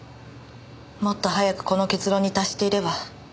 もっと早くこの結論に達していれば。